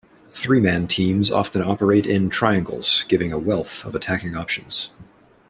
Three-man teams often operate in "triangles", giving a wealth of attacking options.